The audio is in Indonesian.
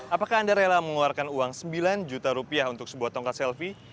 apakah anda rela mengeluarkan uang sembilan juta rupiah untuk sebuah tongkat selfie